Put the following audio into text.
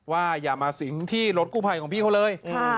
อย่ามาสิงที่รถกู้ภัยของพี่เขาเลย